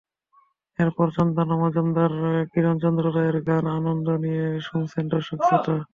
এরপর চন্দনা মজুমদার, কিরণ চন্দ্র রায়ের গান আনন্দ নিয়ে শুনেছেন দর্শক-শ্রোতা।